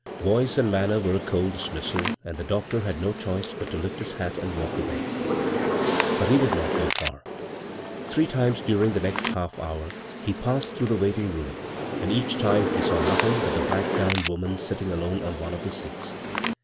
Voice and manner were a cold dismissal, and the doctor had no choice but to lift his hat and walk away ; but he did not go far. Three times during the next half hour he passed through the waiting room, and each time be saw nothing but the black gowned woman sitting alone on one of the seats.